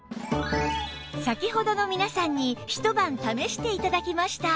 先ほどの皆さんにひと晩試して頂きました